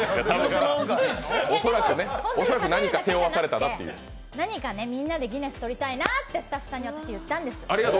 でも、本当にしゃべるだけじゃなくて、何かみんなでギネスとりたいなってスタッフさんに言ったんです。